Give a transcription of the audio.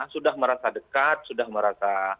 sudah merasa dekat sudah merasa